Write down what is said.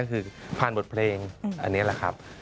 ก็คือผ่านบทเพลงอันนี้แหละครับ